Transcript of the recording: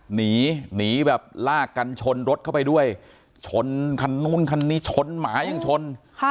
หนีหนีแบบลากกันชนรถเข้าไปด้วยชนคันนู้นคันนี้ชนหมายังชน